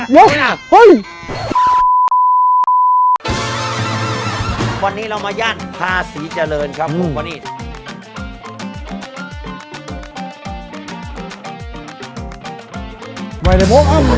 วันนี้เรามาย่านพาศรีเจริญครับ